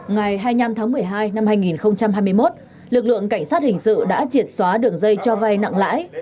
ngày hai mươi năm tháng một mươi hai năm hai nghìn hai mươi một lực lượng cảnh sát hình sự đã triệt xóa đường dây cho vay nặng lãi